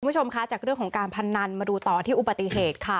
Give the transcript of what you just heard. คุณผู้ชมคะจากเรื่องของการพนันมาดูต่อที่อุบัติเหตุค่ะ